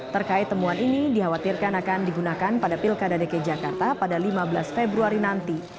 terkait temuan ini dikhawatirkan akan digunakan pada pilkada dki jakarta pada lima belas februari nanti